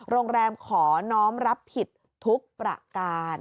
โรงแรมขอน้องรับผิดทุกประการ